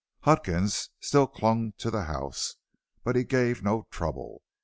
Huckins still clung to the house, but he gave no trouble.